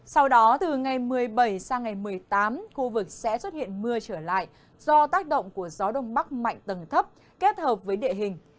sau đó từ ngày một mươi bảy sang ngày một mươi tám khu vực sẽ xuất hiện mưa trở lại do tác động của gió đông bắc mạnh tầng thấp kết hợp với địa hình